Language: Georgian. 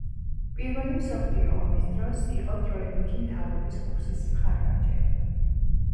პირველი მსოფლიო ომის დროს იყო დროებითი მთავრობის კურსის მხარდამჭერი.